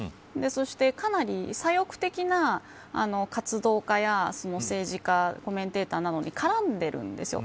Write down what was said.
そしてかなり左翼的な活動家や政治家コメンテーターなどに絡んでいるんですよ。